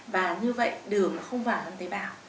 và như vậy đường nó không vào trong tế bào